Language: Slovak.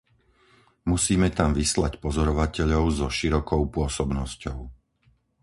Musíme tam vyslať pozorovateľov so širokou pôsobnosťou.